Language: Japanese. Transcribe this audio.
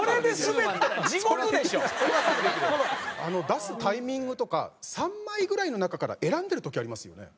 出すタイミングとか３枚ぐらいの中から選んでる時ありますよね。